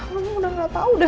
lu udah nggak tahu deh